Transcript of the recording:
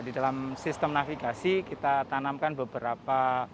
di dalam sistem navigasi kita tanamkan beberapa